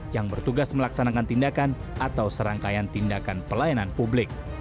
yang bertugas melaksanakan tindakan atau serangkaian tindakan pelayanan publik